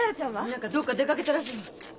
何かどっか出かけたらしいの。